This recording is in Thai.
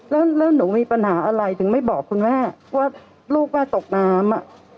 แล้วหนูมีปัญหาอะไรถึงไม่บอกคุณแม่ว่าลูกว่าตกน้ำ